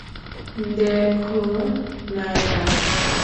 দেখ, নায়না।